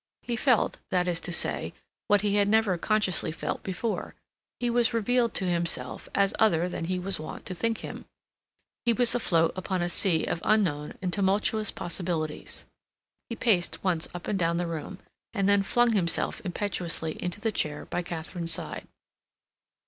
He felt, that is to say, what he had never consciously felt before; he was revealed to himself as other than he was wont to think him; he was afloat upon a sea of unknown and tumultuous possibilities. He paced once up and down the room, and then flung himself impetuously into the chair by Katharine's side.